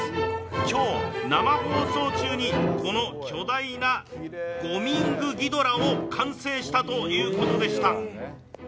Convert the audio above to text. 今日、生放送中にこの巨大なゴミングギドラを完成したということでした。